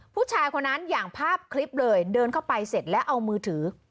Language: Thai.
ผู้ชายคนนั้นอย่างภาพคลิปเลยเดินเข้าไปเสร็จแล้วเอามือถือ